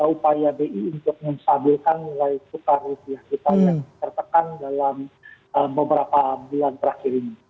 upaya bi untuk menstabilkan nilai tukar rupiah kita yang tertekan dalam beberapa bulan terakhir ini